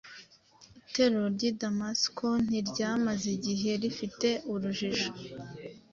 Itorero ry’ i Damasiko ntiryamaze igihe rifite urujijo